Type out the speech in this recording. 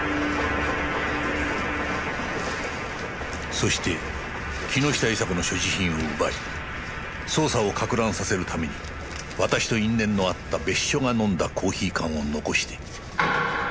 そして木下伊沙子の所持品を奪い捜査をかく乱させるために私と因縁のあった別所が飲んだコーヒー缶を残して。